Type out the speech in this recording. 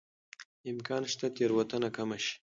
امکان شته تېروتنه کمه شي.